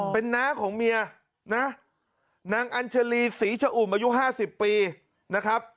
เป็นน้าของเมียนางอัญหรี่ศรีชอู่รณ์ประยุขนาด๕๐ปีนะครับ